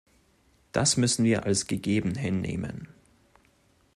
Das müssen wir als gegeben hinnehmen.